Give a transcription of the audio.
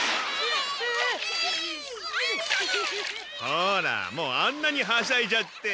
ほらもうあんなにはしゃいじゃって。